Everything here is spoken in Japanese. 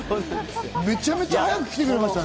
めちゃめちゃ早く来てくれましたね。